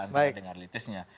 untuk mendengar realitasnya